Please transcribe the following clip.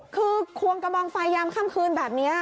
คือควงกระบองไฟยามค่ำคืนแบบนี้